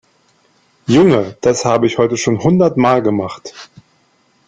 Junge, das habe ich heute schon hundertmal gemacht.